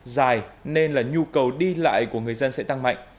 dài nên là nhu cầu đi lại của người dân sẽ tăng mạnh